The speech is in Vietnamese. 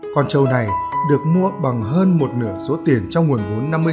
con trâu này được mua bằng hơn một nửa số tiền trong nguồn vốn vay